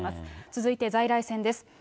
続いて在来線です。